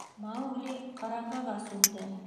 Маугли ҡараңғыға сумды.